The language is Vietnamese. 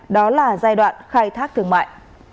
đó là giai đoạn khai thác thương mại